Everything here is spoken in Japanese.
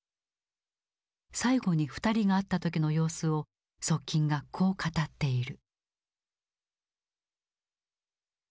最後に２人が会った時の様子を側近がこう語っている。